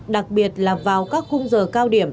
đặc biệt là vào các khung giờ cao điểm